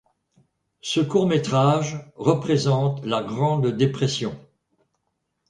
Ce court métrage représente la Grande Dépression.